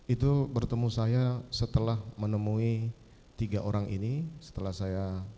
itu bertemu saya setelah menemui tiga orang ini setelah saya